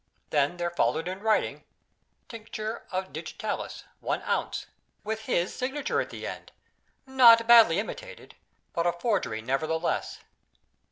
Then, there followed in writing: "Tincture of Digitalis, one ounce" with his signature at the end, not badly imitated, but a forgery nevertheless.